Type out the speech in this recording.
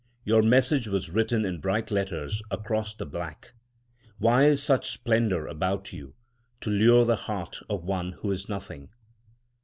Your message was written in bright letters across the black. Why is such splendour about you, to lure the heart of one who is nothing?